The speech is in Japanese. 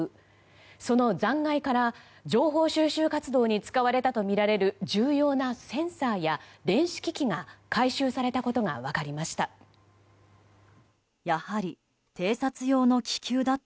その残骸から情報収集活動に使われたとみられる重要なセンサーや電子機器が回収されたことが分かりました。